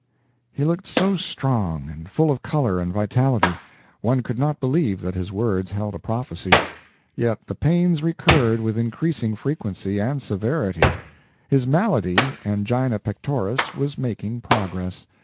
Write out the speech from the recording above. He looked so strong, and full of color and vitality. One could not believe that his words held a prophecy. Yet the pains recurred with increasing frequency and severity; his malady, angina pectoris, was making progress.